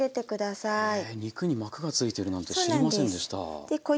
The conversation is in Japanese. へえ肉に膜が付いてるなんて知りませんでした。